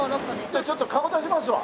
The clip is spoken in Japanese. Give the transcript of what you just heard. じゃあちょっと顔出しますわ。